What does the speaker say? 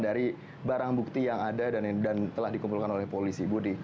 dari barang bukti yang ada dan telah dikumpulkan oleh polisi budi